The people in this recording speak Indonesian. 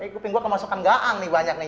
kuping gue kemasukan gaang nih banyak nih